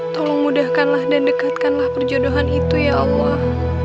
tolong mudahkanlah dan dekatkanlah perjodohan itu ya allah